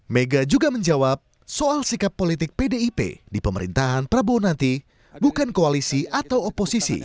mega juga menjawab soal sikap politik pdip di pemerintahan prabowo nanti bukan koalisi atau oposisi